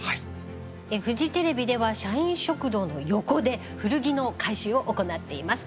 フジテレビでは社員食堂の横で古着の回収を行っています。